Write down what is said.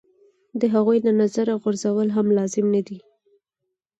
د هغوی له نظره غورځول هم لازم نه دي.